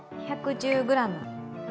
１１０ｇ。